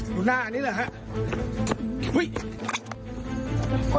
ลูกหน้านี่แหละครับ